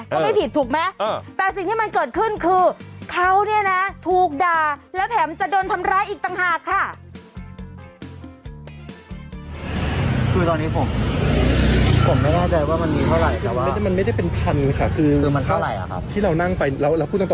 ก็ไม่ผิดถูกไหมแต่สิ่งที่มันเกิดขึ้นคือเขาเนี่ยนะถูกด่าแล้วแถมจะโดนทำร้ายอีกต่างหากค่ะ